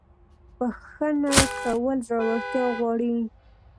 • بخښنه کول زړورتیا غواړي.